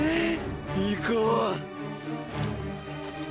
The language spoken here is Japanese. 行こう！